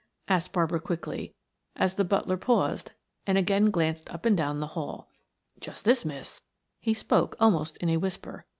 asked Barbara quickly as the butler paused and again glanced up and down the hall. "Just this, miss," he spoke almost in a whisper.